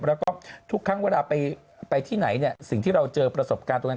แล้วก็ทุกครั้งเวลาไปที่ไหนเนี่ยสิ่งที่เราเจอประสบการณ์ตรงนั้น